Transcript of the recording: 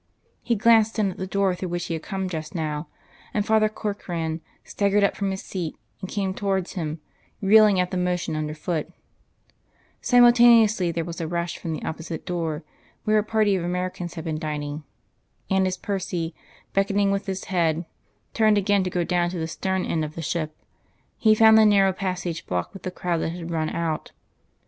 He glanced in at the door through which he had come just now, and Father Corkran staggered up from his seat and came towards him, reeling at the motion underfoot; simultaneously there was a rush from the opposite door, where a party of Americans had been dining; and as Percy, beckoning with his head, turned again to go down to the stern end of the ship, he found the narrow passage blocked with the crowd that had run out.